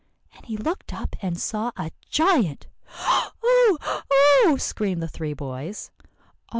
And he looked up and saw a giant." "Oh! oh!" screamed the three boys. "'Oh!